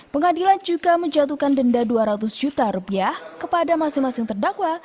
pengadilan juga menjatuhkan denda dua ratus juta rupiah kepada masing masing terdakwa